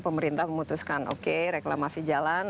pemerintah memutuskan oke reklamasi jalan